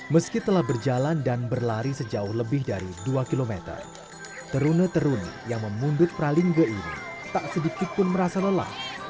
meski telah berjalan dan berlari sejauh lebih dari dua km terune terruni yang memundut pralinggo ini tak sedikit pun merasa lelah